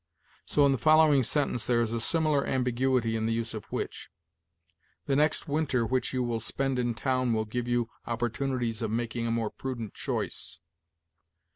So in the following sentence there is a similar ambiguity in the use of 'which': 'the next winter which you will spend in town will give you opportunities of making a more prudent choice.'